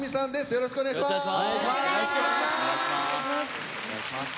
よろしくお願いします。